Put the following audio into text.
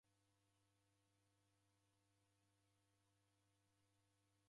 Neka nyumbenyi nieka